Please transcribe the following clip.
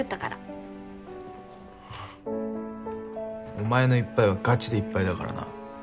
お前のいっぱいはがちでいっぱいだからな。